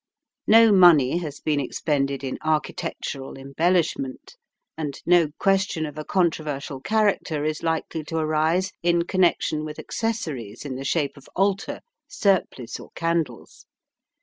No money has been expended in architectural embellishment, and no question of a controversial character is likely to arise in connection with accessories in the shape of altar, surplice, or candles.